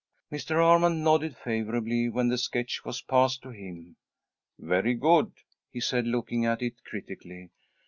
Mr. Armond nodded favourably when the sketch was passed to him. "Very good," he said, looking at it critically.